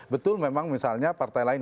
betul memang misalnya partai lain